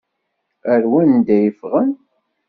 Ar wanda i ffɣen?